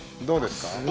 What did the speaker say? どうですか？